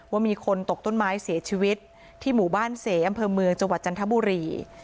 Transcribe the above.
ว่ามีคนตกต้นไม้เสียชีวิตที่หมู่บ้านเสอำเภอเมืองจังหวัดจันทบุรี